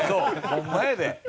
ホンマやで。